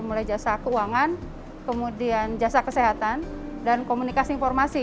mulai jasa keuangan kemudian jasa kesehatan dan komunikasi informasi